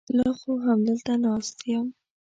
لا خو همدلته ناست یم.